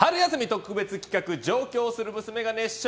特別企画上京する娘が熱唱！